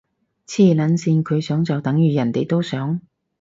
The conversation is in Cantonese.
黐撚線，佢想就等如人哋都想？